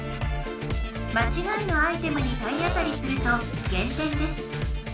まちがいのアイテムに体当たりすると減点です。